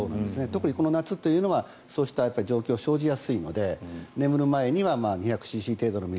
特にこの夏というのはそうした状況が生じやすいので眠る前には２００ｃｃ程度の水。